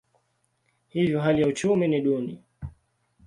Hivyo hali ya uchumi ni duni.